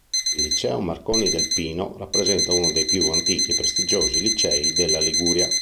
Il liceo "Marconi-Delpino" rappresenta uno dei più antichi e prestigiosi licei della Liguria.